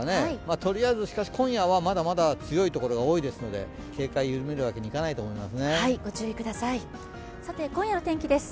とりあえず今夜はまだまだ強い所が多いですので、警戒を緩めるわけにはいかないと思います。